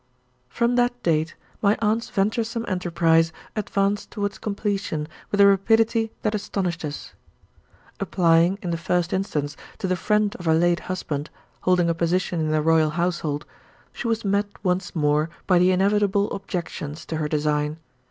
From that date, my aunt's venturesome enterprise advanced towards completion with a rapidity that astonished us. Applying, in the first instance, to the friend of her late husband, holding a position in the Royal Household, she was met once more by the inevitable objections to her design.